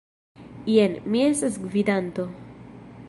Jen, mi estas gvidanto.